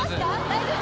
大丈夫？